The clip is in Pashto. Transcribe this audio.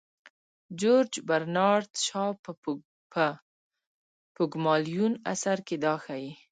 جورج برنارد شاو په پوګمالیون اثر کې دا ښيي.